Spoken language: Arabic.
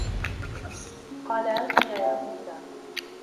قَالَ أَلْقِهَا يَا مُوسَى